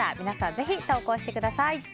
ぜひ投稿してください。